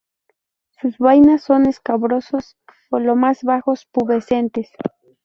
Sus vainas son escabrosos o los más bajos pubescentes.